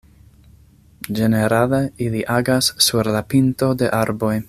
Ĝenerale ili agas sur la pinto de arboj.